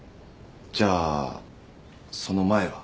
じゃあその前は？